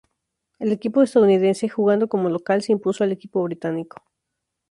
El equipo estadounidense, jugando como local, se impuso al equipo británico.